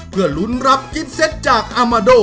เพื่อลุ้นรับกิฟเซตจากอามาโด